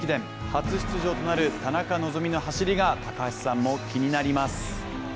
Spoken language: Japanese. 初出場となる田中希実の走りが高橋さんも気になります。